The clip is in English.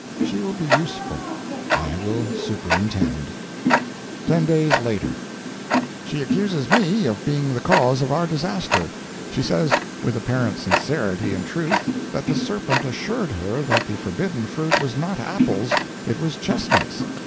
She will be useful. I will superintend. TEN DAYS LATER. She accuses _me _of being the cause of our disaster! She says, with apparent sincerity and truth, that the Serpent assured her that the forbidden fruit was not apples, it was chestnuts.